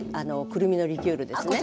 くるみのリキュールですね。